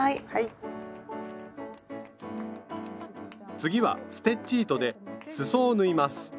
次はステッチ糸ですそを縫います。